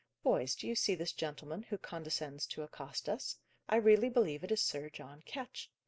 "Boys, do you see this gentleman who condescends to accost us? I really believe it is Sir John Ketch.